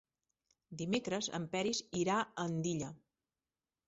Dimecres en Peris irà a Andilla.